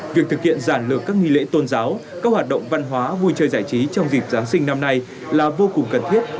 việc thực hiện giản lược các nghi lễ tôn giáo các hoạt động văn hóa vui chơi giải trí trong dịp giáng sinh năm nay là vô cùng cần thiết